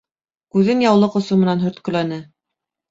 Күҙен яулыҡ осо менән һөрткөләне.